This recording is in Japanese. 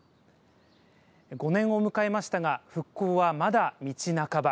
５年を迎えましたが、復興はまだ道半ば。